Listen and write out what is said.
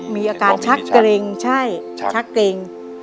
มีอาการชักเกร็งใช่ชักเกร็ง